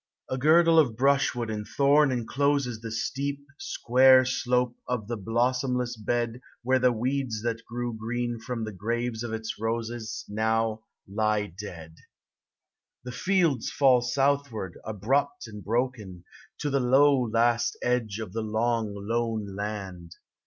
A girdle of brushwood and thorn encloses The steep, square slope of the blossomless bed Where the weeds that grew green from the graves of its roses Now lie dead. THE SEA. 389 The fields fall southward, abrupt and broken, To the low last edge of the long lone land.